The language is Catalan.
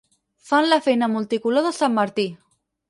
Fan la feina multicolor de sant Martí.